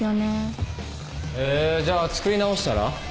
へえじゃあ作り直したら？